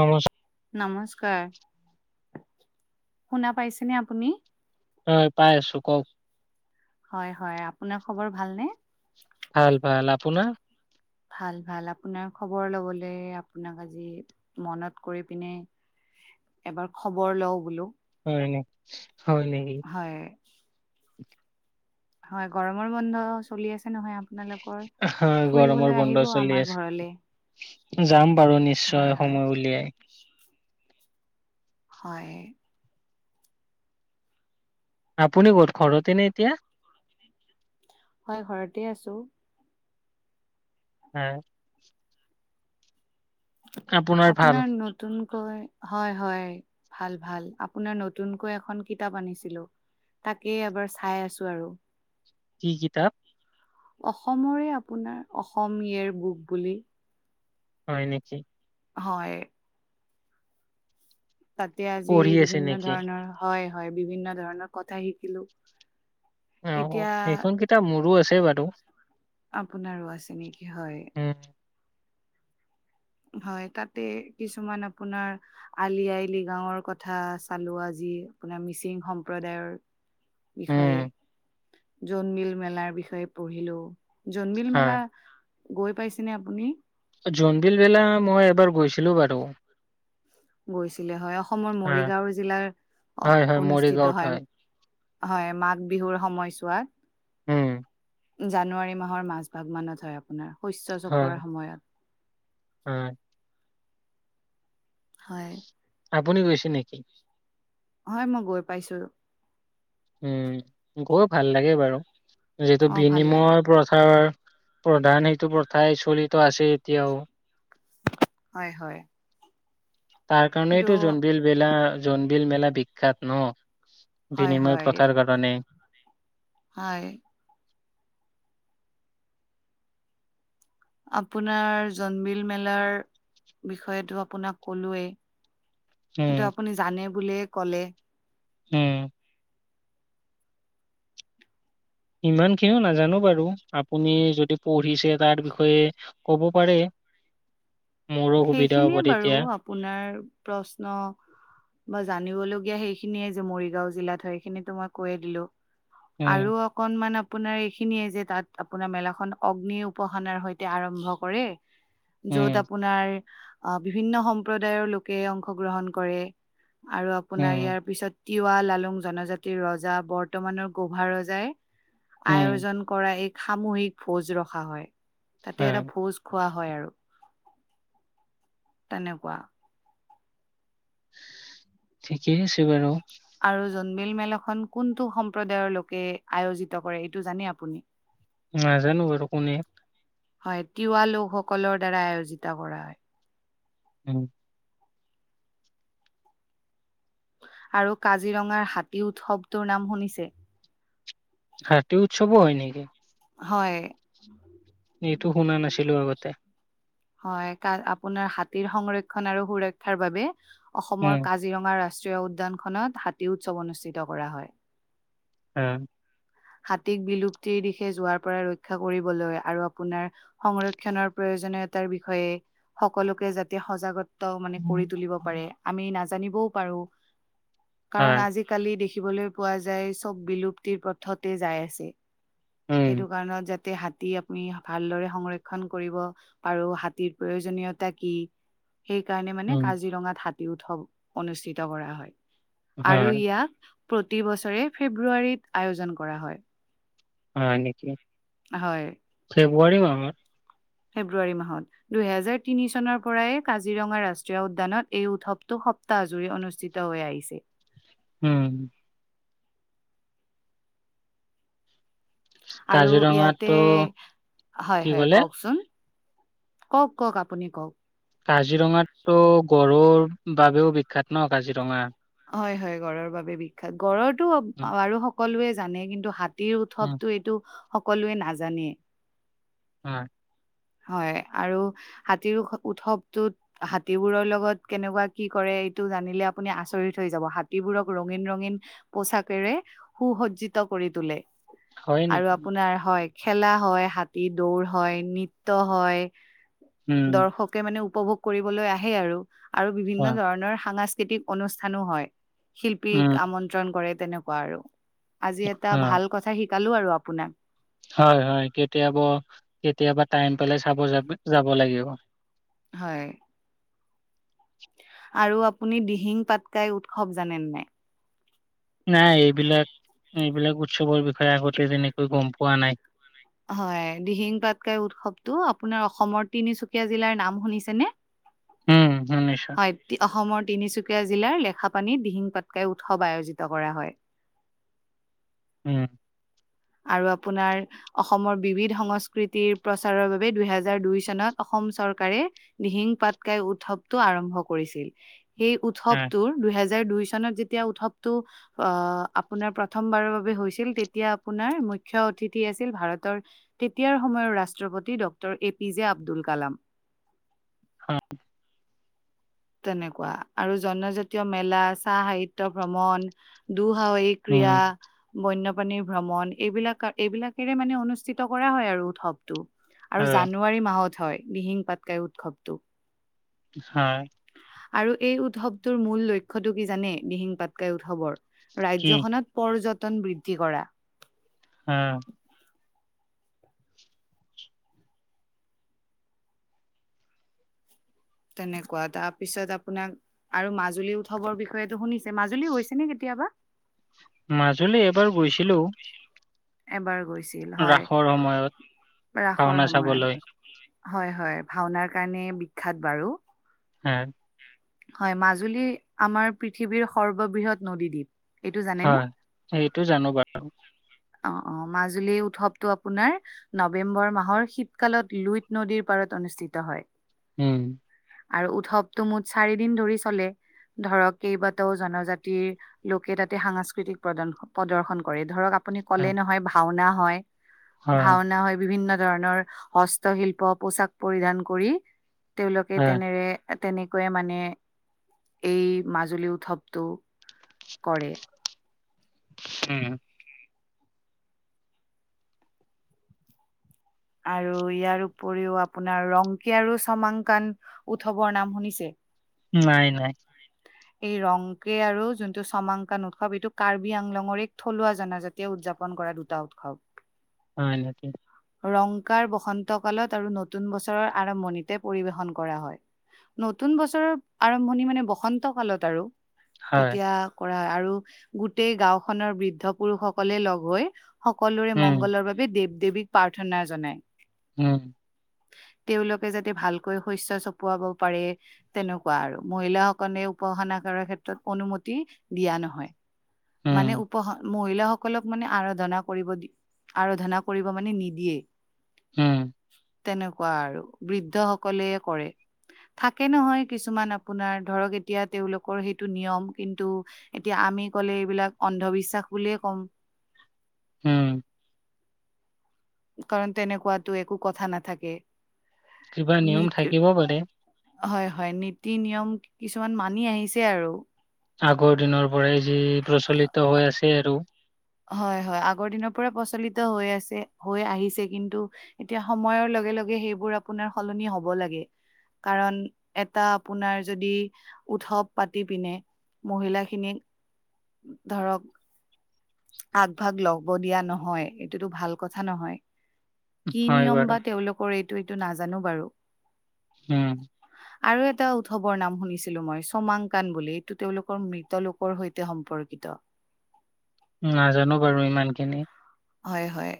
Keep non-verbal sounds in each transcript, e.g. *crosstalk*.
নমস্কাৰ নমস্কাৰ। শুনা পাইছেনে আপুনি? হয় পাই আছো, কওক হয় হয়। আপোনাৰ খবৰ ভালনে? ভাল ভাল। আপোনাৰ? ভাল ভাল। আপোনাৰ খবৰ ল'বলৈ আপোনাক আজি মনত কৰি পিনে এবাৰ খবৰ লওঁ বোলো, হয় নে হয় নেকি? হয়। হয় গৰমৰ বন্ধ চলি আছে নহয় আপোনালোকৰ? ফুৰিবলৈ গৰমৰ বন্ধ আহিব চলি আমাৰ আছে। ঘৰলে। যাম বাৰু হয় নিশ্চয় হয় সময় উলিয়াই। হয়। আপুনি ক'ত ঘৰতেনে এতিয়া? হয় ঘৰতে আছোঁ। হয়। আপোনাৰ ন নতুনকৈ, হয় হয়, ভাল ভাল। আপোনাৰ নতুনকৈ এখন কিতাপ আনিছিলোঁ। তাকেই এবাৰ চাই আছো আৰু। কি কিতাপ? অসমৰে আপোনাৰ অসম ইয়েৰ বুক বুলি। হয় নেকি? হয়। তাতে আজি পঢ়ি আছে বিভিন্ন নেকি ধৰণৰ হয় হয়, বিভিন্ন ধৰণৰ কথা শিকিলোঁ। অ অ, সেইখন কিতাপ মোৰো আছে বাৰু। আপোনাৰো আছে নেকি? হয়। উ হয় তাতে কিছুমান আপোনাৰ আলি আই লিগাৱৰ কথা চালো আজি আপোনাৰ মিচিং সম্প্ৰদায়ৰ। উম বিষয়ে, জোনমিল মেলাৰ বিষয়ে পঢ়িলো। জোনমিল হয় মেলা গৈ পাইছেনে আপুনি? জোনবিল মেলা মই এবাৰ গৈছিলো বাৰু। গৈছিলে হয়, অসমৰ হয় মৰিগাঁও জিলাৰ হয় হয় অনুষ্ঠিত মৰিগাঁওত হয়। হয় মাঘ বিহুৰ সময়ছোৱাত। উম জানুৱাৰী মাহৰ মাজভাগ মানত হয় আপোনাৰ শস্য হয় চপোৱাৰ সময়ত। হয় হয়। আপুনি গৈছে নেকি? হয় মই গৈ পাইছো। উম গৈ ভাল লাগে বাৰু যিহেতু অ ভাল লাগে বিনিময় পথাৰ প্ৰধান সেইটো প্ৰথাই চলিত আছে এতিয়াও। হয় হয়। তাৰ সেইটো কাৰণেইটো জোনবিল মেলা জোনবিল মেলা বিখ্যাত ন হয় বিনিময় হয় প্ৰথাৰ কাৰে ণে হয়। আপোনাৰ জোনবিল মেলাৰ বিষয়টো আপোনাক কলোৱে। সেইটো উম আপুনি জানে বুলিয়ে ক'লে। উম। ইমান খিনিও নাজানো বাৰু আপুনি যদি পঢ়িছে তাৰ বিষয়ে ক'ব পাৰে। মোৰো সুবিধা হ'ব সেইখিনিয়ে বাৰু তেতিয়া। আপোনাৰ প্ৰশ্ন বা জানিবলগীয়া সেইখিনিয়ে যে মৰিগাঁও জিলাত হয় সেইখিনিতো মই কৈয়ে দিলো। উম আৰু অকনমান আপোনাৰ এইখিনিয়ে যে তাত আপোনাৰ মেলা খন অগ্নিৰ উপাসনাৰ সৈতে আৰম্ভ কৰে। উম য'ত আ আপোনাৰ বিভিন্ন সম্প্ৰদায়ৰ লোকে অংশগ্ৰহণ কৰে আৰু আপোনাৰ উম ইয়াৰ পিছত তিৱা লালুং জনজাতিৰ ৰজা বৰ্তমানৰ গোভা ৰজাই উম আয়োজন কৰা এক সামূহিক ভোজ ৰখা হয়। তাতে হয় এটা ভোজ খোৱা হয় আৰু। তেনেকুৱা। ঠিকেই আছে বাৰু। আৰু জোনবিল মেলাখন কোনটো সম্প্ৰদায়ৰ লোকে আয়োজিত কৰে এইটো জানে আপুনি? *unintelligible* নাজানো বাৰু কোনে হয় তিৱা লোকসকলৰ দ্বাৰা আয়োজিত কৰা হয়। উম। আৰু কাজিৰঙাৰ হাতী উৎসৱটোৰ নাম শুনিছে? হাতী উৎসৱো হয় নেকি? হয়। এইটো শুনা নাছিলো আগতে। হয় কা আপোনাৰ হাতীৰ সংৰক্ষণ আৰু সুৰক্ষাৰ বাবে উম অসমৰ কা কাজিৰঙা ৰাষ্ট্ৰীয় উদ্যানখনত হাতী উৎসৱ অনুষ্ঠিত কৰা হয়। *unintelligible* উম *unintelligible* হাতীক বিলুপ্তিৰ দিশে যোৱাৰ পৰা ৰক্ষা কৰিবলৈ আৰু আপোনাৰ *inaudible* সংৰক্ষণৰ প্ৰয়োজনীয়তাৰ বিষয়ে সকলোকে যাতে সজাগতা *unintelligible* *unintelligible* মানে কৰি তুলিব পাৰে। আমি নাজানিবও পাৰোঁ হয় কাৰণ আজি *unintelligible* কালি দেখিবলৈ পোৱা যায় চব বিলুপ্তিৰ পথতে যাই আছে। *inaudible* উম সেইটো কাৰণত যাতে *unintelligible* *unintelligible* হাতী আপুনি ভালদৰে সংৰক্ষন কৰিব পাৰোঁ। হাতীৰ প্ৰয়োজনীয়তা কি? *unintelligible* সেইকাৰণে মানে উম। কাজিৰঙাত হাতী উৎসৱ অনুষ্ঠিত কৰা হয়। *unintelligible* আৰু হয়, ইয়াক প্ৰতি বছৰে ফেব্ৰুৱাৰীত আয়োজন কৰা হয়। *inaudible* হয় নেকি? *inaudible* হয়। *inaudible* ফেব্ৰুৱাৰী মাহত? *unintelligible* ফেব্ৰুৱাৰী মাহত। দুহেজাৰ তিনি চনৰ পৰাই কাজিৰঙা ৰাষ্ট্ৰীয় উদ্যানত এই উৎসৱটো *unintelligible* *unintelligible* সপ্তাহ জুৰি অনুষ্ঠিত হৈ আহিছে। উম! *inaudible* আৰু ইয়াতে কাজিৰঙাতো *inaudible* কি হয়-হয়, ক'লে? কওঁকচোন? কওক-কওক, আপুনি কওক? *unintelligible* কাজিৰঙাত তো গঁড়ৰ বাবেও বিখ্যাত ন কাজিৰঙা। *unintelligible* হয়-হয়, গঁড়ৰ বাবে বিখ্যাত। গঁড়ৰটো উম, আৰু সকলোৱেই জানে কিন্তু হাত *unintelligible* হাতীৰ উম, উৎসৱটো এইটো সকলোৱেই জানে নাজানেই। *inaudible* হয়। *inaudible* হয় আৰু হাতীৰ উৎসৱ-উৎসৱটোত *unintelligible* হাতীবোৰৰ লগত কেনেকুৱা কি কৰে এইটো জানিলে আপুনি আচৰিত হৈ যাব। হাতীবোৰক ৰঙীন-ৰঙীন *unintelligible* পোচাকেৰে সু-সজ্জিত কৰি তোলে। হয় *inaudible* আৰু নেকি? আপোনাৰ হয় খেলা হয়, হাতী দৌৰ হয়, নৃত *unintelligible* নৃত্য হয়। উম, দৰ্শকে মানে উপভোগ কৰিবলৈ আহে আৰু। *unintelligible* আৰু বিভিন্ন হয়, ধৰণৰ সাংস্কৃতিক অনুষ্ঠানো হয়। শিল্পীক উম, আমন্ত্ৰ *unintelligible* আমন্ত্ৰণ কৰে তেনেকুৱা আৰু। আজি এটা ভাল কথা শিকালোঁ আৰু আপোনাক। *unintelligible* হয়-হয়। কেতিয়াবা-কেতিয়াবা টাইম পালে চাব যাব লাগিব। *unintelligible* হয়। *unintelligible* আৰু আপুনি দিহিং পাটকাই উৎসৱ জানেনে নাই? *unintelligible* নাই এইবিলাক-এইবিলাক উৎসৱৰ বিষয়ে আগতে তেনেকৈ গম পোৱা নাই। *unintelligible* হয়। দিহিং পাটকাই উৎসৱটো আপোনাৰ অসমৰ তিনিচুকীয়া জিলাৰ নাম শুনিছে নে? উম, *unintelligible* *inaudible* শুনিছোঁ। হয়। অসমৰ তিনিচুকীয়া জিলাৰ লেখাপানীত দিহিং পাটকাই উৎসৱ আয়োজিত কৰা হয়। *unintelligible* উম *unintelligible* আৰু আপোনাৰ *inaudible* অসমৰ বিবিধ সংস্কৃতিৰ প্ৰচাৰৰ বাবে দুহেজাৰ দুই চনত অসম চৰকাৰে *unintelligible* দিহিং পাটকাই উৎসৱটো আৰম্ভ কৰিছিল। সেই হয়, উৎসৱটোৰ *unintelligible* দুহেজাৰ দুই চনত যেতিয়া উৎসৱটো অ আপোনাৰ প্ৰথমবাৰৰ বাবে হৈছিল তেতিয়া *unintelligible* আপোনাৰ মুখ্য অতিথি আছিল ভাৰতৰ *unintelligible* তেতিয়াৰ সময়ৰ ৰাষ্ট্ৰপতি ডঃ A P J Abdul Kalam. *unintelligible* হয় *inaudible* তেনেকুৱা আৰু জনজাতীয় মেলা, চাহ সাহিত্য ভ্ৰমণ, দুঃসাহসিক *unintelligible* উম, ক্ৰিয়া বন্যপ্ৰাণীৰ ভ্ৰমণ এইবিলাক কা এইবিলাকেৰে মানে অনুষ্ঠিত কৰা হয় আৰু উৎসৱটো। আৰু হয়, জানুৱাৰী মাহত হয়, দিহিং পাটকাই উৎসৱটো। হয়। আৰু এই উৎসৱটোৰ মূল লক্ষ্যটো কি জানে, দিহিং পাটকাই উৎসৱৰ? কি? ৰাজ্যখনত পৰ্যটন বৃদ্ধি কৰা। অ। তেনেকুৱা তাৰপিছত আপোনাক আৰু মাজুলী উৎসৱৰ বিষয়েতো শুনিছে? মাজুলী গৈছে নে কেতিয়াবা? মাজুলী এবাৰ গৈছিলোঁ। এবাৰ গৈছিল হয়, ৰাসৰ সময়ত ৰাসৰ ভাওনা চাবলৈ সময়ত। হয় হয়, ভাওনাৰ কাৰণে বিখ্যাত বাৰু। এহেত হয়, মাজুলী আমাৰ পৃথিৱীৰ সৰ্ববৃহৎ নদীদ্বীপ। এইটো জানেনে হয়, সেইটো জানোঁ বাৰু। অ' অ', মাজুলী উৎসৱটো আপোনাৰ নৱেম্বৰ মাহৰ শীতকালত লুইত নদীৰ পাৰত অনুষ্ঠিত হয়। উম। আৰু উৎসৱটো মুঠ চাৰি দিন ধৰি চলে, ধৰক কেইবাটাও জনজাতিৰ লোকে তাতে সাংস্কৃতিক প্ৰদন প্ৰদৰ্শন কৰে, ধৰক আপ আপুনি হয় ক'লে নহয় ভাওনা হয়, ভাওন না হয় বিভিন্ন ধৰণৰ হস্তশিল্প, পোচাক পৰিধান কৰি তেওঁলোকে হয় তেনেৰে তেনেকৈয়ে মানে এই মাজুলী উৎসৱটো কৰে। হু হুম। আৰু ইয়াৰ উপৰিও আপোনাৰ ৰংকী আৰু চমাংকান উৎসৱৰ নাম শুনিছে? নাই, নাই। এই ৰংক্ৰে আৰু যোনটো ছমাংকান উৎসৱ এইটো কাৰ্বি আংলঙৰ এক থলুৱা জনাজা তিয়ে উদযাপন কৰা দুটা উৎসৱ। হয় নেকি? ৰংকাৰ বসন্তকালত আৰু নতুন বছৰৰ আৰম্ভণিতে পৰিবেশন কৰা হয়। নতুন বছৰৰ আৰম্ভণি মানে বসন্তকালত আৰু। হয় তেতিয়া কৰা আৰু গোটেই গাওঁখনৰ বৃদ্ধ পুৰুষসকলে লগ হৈ সকলোৰে উম মংগলৰ বাবে দেৱ - দেৱীক প্ৰাৰ্থনা জনায়। উম। তেওঁলোকে যাতে ভালকৈ শস্য চপোৱাব পাৰে তেনেকুৱা আৰু মহিলাসকনে উপাসনা কৰাৰ ক্ষেত্ৰত অনুমতি দিয়া নহয়। উম মানে উপহ মহিলাসকলক মানে আৰাধনা কৰিব দি, আৰাধনা কৰিব মানে নি দিয়ে। হুম। এনেকুৱা আৰু বৃদ্ধ সকলয়ে কৰে। থাকে নহয় কিছুমান আপোনাৰ ধৰক এতিয়া তেওঁলোকৰ সেইটো নিয়ম কিন্তু এতিয়া আমি ক'লে এইবিলাক অন্ধবিশ্বাস বুলিয়ে কম। ওম। কাৰণ তেনেকুৱাতো একো কথা নাথাকে। কিবা নিয়ম নীতি থাকিব পাৰে? হয়, হয়, নীতি-নিয়ম কিছুমান মানি আহিছে আৰু। আগৰ দিনৰ পৰাই যি, প্ৰচলিত হৈ আছে আৰু। হয়, হয়! আগৰ দিনৰ পৰা প্ৰচলিত হৈ আছে, হৈ আহিছে। কিন্তু, এতিয়া, সময়ৰ লগে লগে সেইবোৰ আপোনাৰ সলনি হ'ব লাগে। কাৰণ, এটা আপোনাৰ যদি, উৎসৱ পাতি পিনে, মহিলা খিনিক ধৰক, আগভাগ ল'ব দিয়া নহয়, এইটোতো ভাল কথা নহয়। কি হয় নিয়ম বাৰু বা তেওঁলোকৰ এইটো, এইটো নাজানোঁ বাৰু। উম! আৰু এটা উৎসৱৰ নাম শুনিছিলোঁ, মই! চমাংকান বুলি। এইটো তেওঁলোকৰ মৃত লোক লোকৰ সৈতে সম্পৰ্কিত। নাজানোঁ বাৰু ইমান খিনি। হয়, হয়!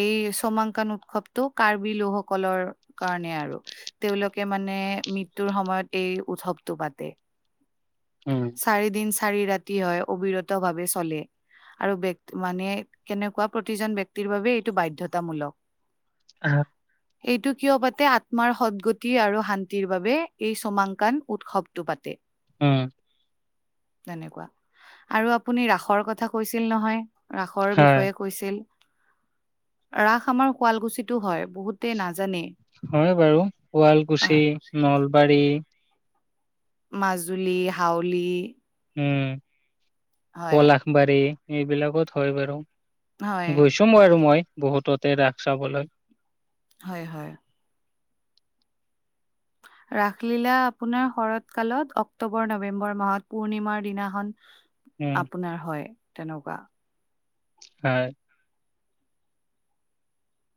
এই, চমাংকান উৎসৱটো, কাৰ্বি লোকসকলৰ কাৰণে আৰু। তেওঁলোকে মানে, মৃত্যুৰ সময়ত এই, উৎসৱতটো পাতে। উম! চাৰি দিন, চাৰি ৰাতি হয়, অবিৰত ভাৱে চলে। আৰু *unintelligible* মানে, কেনেকুৱা প্ৰতিজন ব্যক্তিৰ বাবে এইটো বাধ্যতামূলক। *unintelligible* *inaudible* এইটো কিয় পাতে! আত্মাৰ সদগতি আৰু শান্তিৰ বাবে, এই চমাংকান উৎসৱটো পাতে। উম! তেনেকুৱা! আৰু আপুনি ৰাসৰ কথা কৈছিল নহয়, ৰাসৰ হয় বিষয়ে, কৈছিল, ৰাস আমাৰ শুৱালকুছিতো হয়। বহুত *unintelligible* হয় বাৰু! আহ, শুৱালকুছি, নলবাৰী। মাজুলী, হাউলী। উম! পলাশবাৰী, এইবিলাকত হয় বাৰু হয়, গৈছোঁ। ত' আৰু মই, বহুততে ৰাস চাবলৈ। হয়, হয়! ৰাসলীলা আপোনাৰ, শৰৎ কালত, অক্টোবৰ- নৱেম্বৰ মাহত, পূৰ্ণিমাৰ দিনাখন। উম আপোনাৰ হয়, তেনেকুৱা? হয়!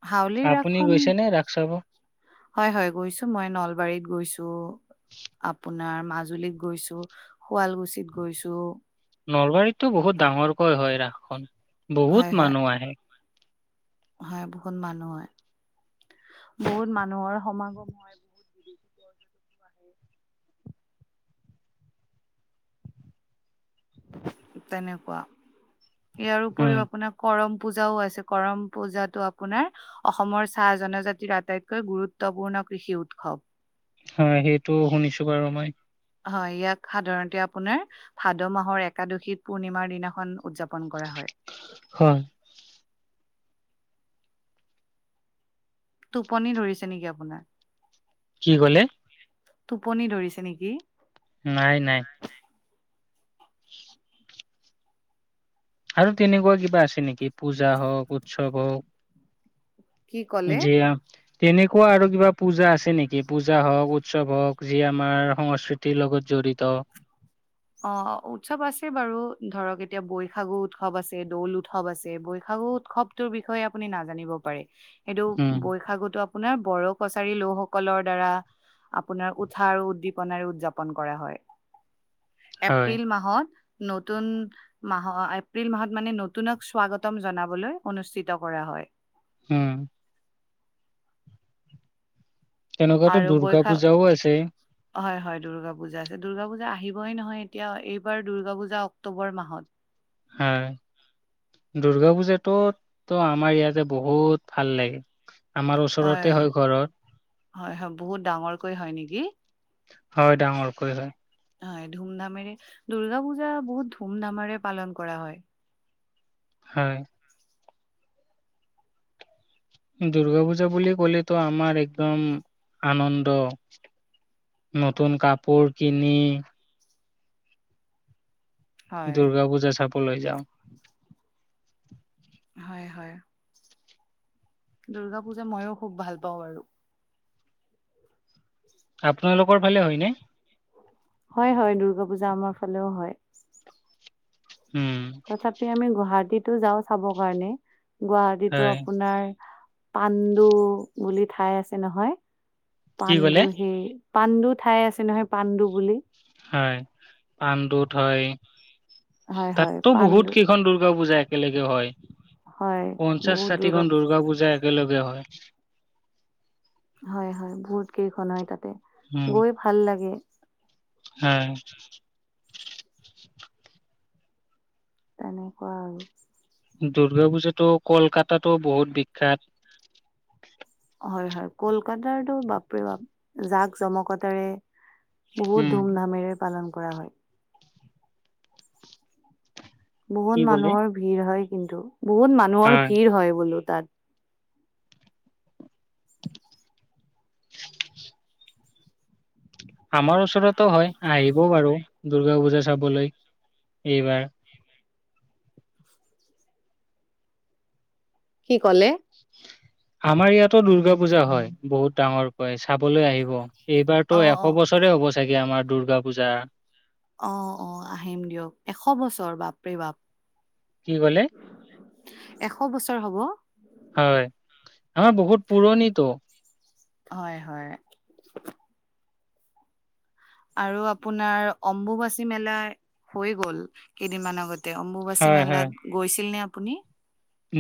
হাউলিৰ ৰাস আপুনি খন, গৈছে নে ৰাস চাব হয়, হয়, গৈছোঁ। মই নলবাৰীত গৈছোঁ। আপোনাৰ মাজুলীত গৈছোঁ, শুৱালকুছিত গৈছোঁ। নলবাৰীততো বহুত ডাঙৰকৈ হয়, ৰাসখন! হয়, বহুত হয়, মানুহ আহে। হয়, বহুত মানুহ হয়। বহুত মানুহৰ সমাগম হয়! বহুত *inaudible* তেনেকুৱা! ইয়াৰ উম উপৰিও আপোনাৰ, কৰম পূজাও আছে, কৰম পূজাতো আপোনাৰ, অসমৰ চাহ জনজাতিৰ, আটাইতকৈ গুৰুত্বপূৰ্ণ কৃষি উৎসৱ। হয়, সেইটো শুনিছোঁ বাৰু মই। হয়, ইয়াক সাধাৰণতে আপোনাৰ ভাদ মাহৰ একাদশী পূৰ্ণিমাৰ দিনাখন, উদযাপন কৰা হয়। হয়। টোপনি ধৰিছে নেকি আপোনাৰ? কি ক'লে? টোপনি ধৰিছে নেকি? নাই নাই। আৰু তেনেকুৱা কিবা আছে নেকি পূজা হওক, উৎসৱ হওক? কি ক'লে যি অ তেনেকুৱা আৰু কিবা পূজা আছে নেকি? পূজা হওক, উৎসৱ হওক, যি আমাৰ সংস্কৃতি- লগত জড়িত। অ উৎসৱ আছে বাৰু, ধৰক এতিয়া বৈশাগু উৎসৱ আছে, দৌল উৎসৱ আছে, বৈশাগু উৎসৱ- টো বিষয়ে আপুনি নাজানিব পাৰে। সেইটো উম বৈশাগুতো- আপোনাৰ বড়ো কছাৰী লোকসকলৰ দ্বাৰা, আপোনাৰ উঠা আৰু উদ্দীপনাৰে উদযাপন কৰা হয়। হয় এপ্ৰিল মাহত নতুন, মাহ এপ্ৰিল মাহত মানে নতুনক স্বাগতম জনাবলৈ অনুষ্ঠিত কৰা হয়। উম। তেনেকুৱাতো আৰু দুৰ্গা বৈশাখ পূজাও আছে। হয় হয় দুৰ্গা পূজা আছে, দুৰ্গা পূজা আহিবই নহয় এতিয়া, এইবাৰ দুৰ্গা পূজা অক্টোবৰ মাহত। হয়। দূৰ্গা পূজাটো তো আমাৰ ইয়াতে বহুত ভাল লাগে। আমাৰ ওচৰতে হয় ঘৰত। হয় হয়, বহুত ডাঙৰকৈ হয় নেকি? হয় ডাঙৰ কৈ হয়। হয় ধুম ধামেৰে। দুৰ্গা পূজা বহুত ধুম ধামেৰে পালন কৰা হয়। হয়। দুৰ্গা পূজা বুলি ক'লেতো আমাৰ একদম আনন্দ। নতুন কাপোৰ কিনি, হয় দূৰ্গা পূজা চাবলৈ যাওঁ। হয় হয়। দুৰ্গা পূজা মইয়ো খুব ভাল পাওঁ আৰু। আপোনালোকৰ ফালে হয়নে? হয় হয়, দুৰ্গা পূজা আমাৰ ফালেও হয়। উম। তাতে আমি গুৱাহাটীতো যাওঁ চাব কাৰণে। গুৱাহাটীতো হয় আপোনাৰ- পাণ্ডু বুলি ঠাই আছে নহয়, কি ক'লে? পাণ্ডুৰ সেই- পাণ্ডু ঠাই আছে নহয়, পাণ্ডু বুলি। হয়, পাণ্ডু দুত হয়। হয় হয় তাতটো বহুত পাণ্ডু কেইখন দুৰ্গা পূজা একেলগে হয়। হয় পঞ্চাশ বহুত ষাঠিখন দুৰ্গা পূজা একেলগে হয়। হয় হয় বহুত কেইখন হয় তাতে। উম গৈ ভাল লাগে। হয়। তেনেকুৱা আৰু। দুৰ্গা পুজাটো কলকাতাটো বহুত বিখ্যাত। হয় হয়, কলকাতাৰটো বাপৰে বাপ জাক জমকতাৰে, বহুত উম ধুমধামেৰে পালন কৰা হয়। কি বহুত ক'লে? মানুহৰ ভিৰ হয় কিন্তু। বহুত মানুহৰ ভিৰ হয় বোলো তাত। আমাৰ ওচৰতো হয়, আহিব বাৰু দূৰ্গা পূজা চাবলৈ এইবাৰ। কি, ক'লে? আমাৰ ইয়াতো দুৰ্গা পূজা হয়, বহুত ডাঙৰকৈ চাবলৈ আহিব এইবাৰতো অ এশ অ বছৰ ৰে, হ'ব চাগে আমাৰ দুৰ্গা পূজা। অ, অ, আহিম দিয়ক, এশ বছৰ বাপৰে-বাপ। কি ক'লে? এশ বছৰ হ'ব? হয়, আমাৰ বহুত পুৰণিতো। হয়, হয়। আৰু আপোনাৰ অম্বুবাচী মেলা হৈ গ'ল, কেইদিনমান আগত। তে, অম্বুবাচী হয়, হয়। মেলাত গৈছিলনে আপুনি?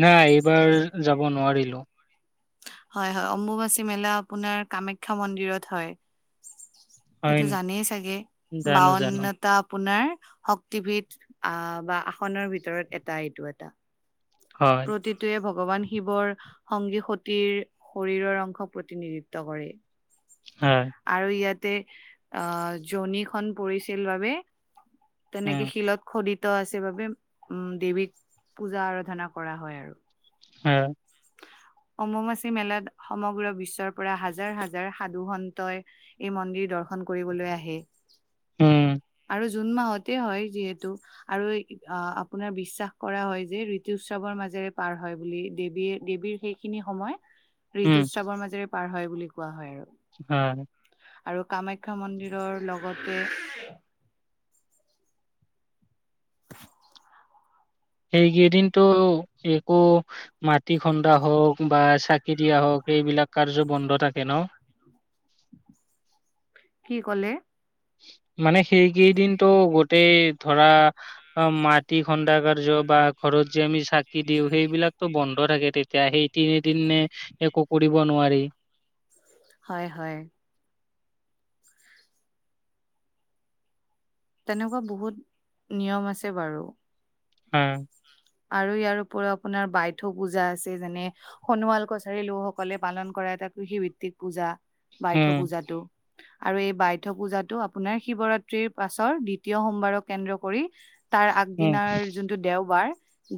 নাই, এইবাৰ যাব নোৱাৰিলো। হয়, হয়, অম্বুবাচী মেলা আপোনাৰ কামাখ্যা মন্দিৰত হয়। হয়, এইটো নি? জানেই চাগে, জানো জানো বাৱন্ন টা আপোনাৰ শক্তিবিদ আহ, বা আসনৰ ভিতৰত এটা এইটো এটা। হ প্ৰতিটয়ে ভগৱান শিৱৰ সংগী, সতিৰ শৰীৰৰ অংশ প্ৰতিনিধিত্ব কৰে। হয়। আৰু ইয়াতে, আহ জনীখন পৰিছিল বাবে উম, তেনেকে শিলত খদিত আছে বাবেই, উম, দেৱীক পূজা আৰাধনা কৰা হয় আৰু। হয়। অম্ববাচী মেলাত সমগ্ৰ বিশ্বৰ পৰা হাজাৰ- হাজাৰ সাধু সন্তই এই মন্দিৰ দৰ্শন দৰ্শন কৰিবলৈ আহে, উম, আৰু জুন মাহতে হয় যিহেতু আৰু অ, আপোনাৰ বিশ্বাস কৰা হয় যে ঋতু উৎসৱৰ মাজেৰে পাৰ হয় বুলি দেৱীয়ে দেৱীৰ সেইখিনি সময়, উম, ঋতুসাৱৰ মাজেৰে পাৰ হয় বুলি কোৱা হয় আৰু। হয়। আৰু কামাখ্যা মন্দিৰৰ লগতে। সেইকেইদিনতো, একো মাটি খন্দা হ'ওক বা চা কেতিয়া হ'ওক সেইবিলাক কাৰ্য বন্ধ থাকে ন। কি ক'লে? মানে সেইকেইদিনটো গোটেই ধৰা অ, মাটি খন্দা কাৰ্য বা ঘৰত যে আমি চাকি দিওঁ, সেইবিলাকতো বন্ধ থাকে তে সেয়াহে সেই তিনিদিনে একো কৰিব নোৱাৰি। হয়, হয়। তেনেকুৱা বহুত নিয়ম আছে বাৰু। হয়। আৰু ইয়াৰ উপৰিও আপোনাৰ বাইথু পূজা আছে, যেন সোণোৱাল কছাৰী লোকসকলে পালন কৰা এটা কৃষিভিত্তিক পূজা বাইথ উম পূজাতটো। আৰু এই বাইথ পূজাটো আপোনাৰ শিৱৰাত্ৰিৰ পাছৰ দ্বিতীয় সোমবাৰক কেন্দ্ৰ কৰি। তাৰ উম আগদিনাৰ যোনটো দেওবাৰ,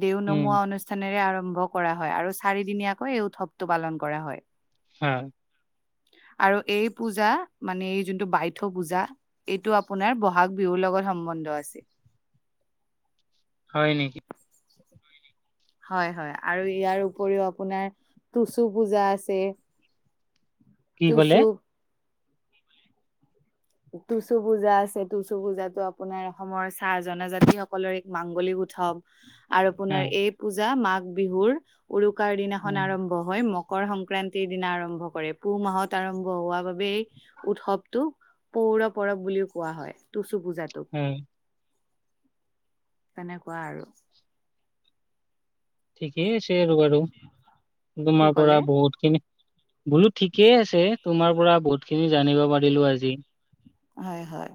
দেও নমোৱা উম অনুষ্ঠান অনুষ্ঠানেৰে আৰম্ভ কৰা হয়, আৰু চাৰিদিনীয়াকৈ এই উৎসৱটো পালন কৰা হয়। হয়। আৰু এই পূজা, মানে এই যোনটো বাইথ পূজা। এইটো আপোনাৰ বহাগ বিহুৰ লগত সম্বন্ধ আছে। হয়, নেকি। হয় হয় আৰু ইয়াৰ উপৰিও আপোনাৰ টুচু পূজা আছে কি ক'লে টুচু টুচু পূজা আছে টুচু পূজাতো আপোনাৰ অসমৰ চাহ জনজাতি সকলৰ এক মাংগলিক উৎসৱ আৰু উম আপোনাৰ এই পূজা মাঘ বিহুৰ উৰুকাৰ দিনাখন উম আৰম্ভ আৰম্ভ হয় মকৰ সংক্ৰান্তিৰ দিনা আৰম্ভ কৰে পুহ মাহত আৰম্ভ হোৱাৰ বাবেই উৎসৱটো পৌৰ পৰব বুলিও কোৱা হয় টুচু পূজাটো উম তেনেকুৱা আৰু ঠিকেই আছে আৰু বাৰু কি তোমাৰ পৰা ক'লে বহুতখিনি বোলো ঠিকেই আছে তোমাৰ পৰা বহুত খিনি জানিব পাৰিলো আজি হয় হয়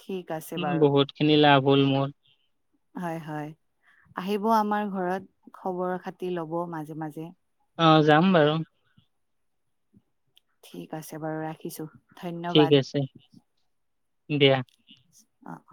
ঠিক আছে উম বাৰু বহুত খিনি লাভ হ'ল মোৰ হয় হয় আহিব আমাৰ ঘৰত খবৰ খাতি ল'ব মাজে মাজে অ যাম বাৰু ঠিক আছে বাৰু ৰাখিছো ঠিক ধন্যবাদ আছে দিয়া ঠিক আছে অহ